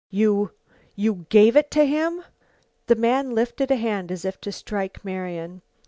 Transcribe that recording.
"You you gave it to him!" The man lifted a hand as if to strike Marian.